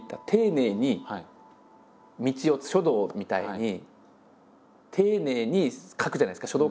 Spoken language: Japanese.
「丁寧」に「道」を書道みたいに丁寧に書くじゃないですか。